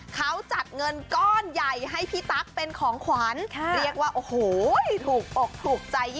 เขาจัดเงินก้อนใหญ่ให้พี่ตั๊กเป็นของขวัญ